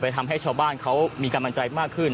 ทำให้ชาวบ้านเขามีกำลังใจมากขึ้น